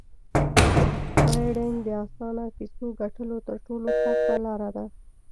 ټریډینګ د اسانه فیسو ګټلو تر ټولو سخته لار ده